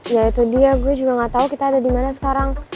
ya itu dia gue juga gak tau kita ada di mana sekarang